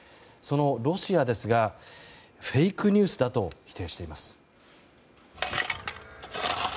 そのロシアですがフェイクニュースだと否定しています。